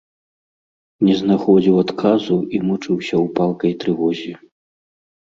Не знаходзіў адказу і мучыўся ў палкай трывозе.